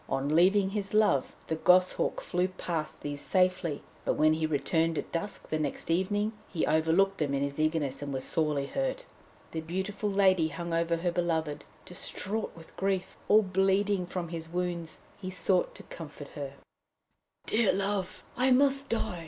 On leaving his love, the goshawk flew past these safely, but when he returned at dusk the next evening, he overlooked them in his eagerness, and was sorely hurt. The beautiful lady hung over her beloved, distraught with grief; all bleeding from his wounds, he sought to comfort her. [Illustration: She hid herself behind a curtain.] 'Dear love, I must die!'